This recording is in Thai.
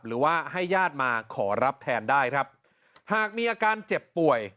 หรือว่าให้ญาติมาขอรับแทนได้ครับหากมีอาการเจ็บป่วย